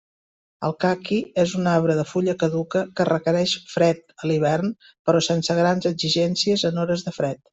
El caqui és un arbre de fulla caduca que requerix fred a l'hivern, però sense grans exigències en hores de fred.